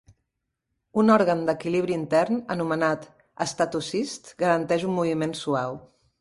Un òrgan d'equilibri intern anomenat "estatocist" garanteix un moviment suau.